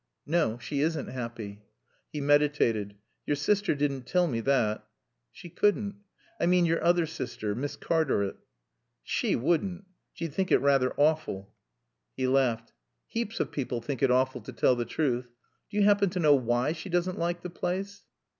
"No. She isn't happy." He meditated. "Your sister didn't tell me that.' "She couldn't." "I mean your other sister Miss Cartaret." "She wouldn't. She'd think it rather awful." He laughed. "Heaps of people think it awful to tell the truth. Do you happen to know why she doesn't like the place?"